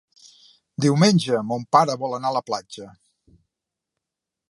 Diumenge mon pare vol anar a la platja.